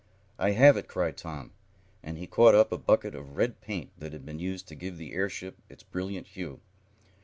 "I have it!" cried Tom, and he caught up a bucket of red paint, that had been used to give the airship its brilliant hue.